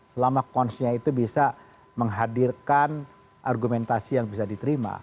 selama consnya itu bisa menghadirkan argumentasi yang bisa diterima